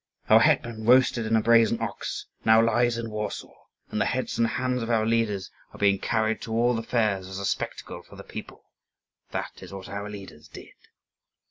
"Our hetman, roasted in a brazen ox, now lies in Warsaw; and the heads and hands of our leaders are being carried to all the fairs as a spectacle for the people. That is what our leaders did."